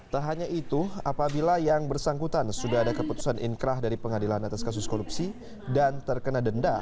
tak hanya itu apabila yang bersangkutan sudah ada keputusan inkrah dari pengadilan atas kasus korupsi dan terkena denda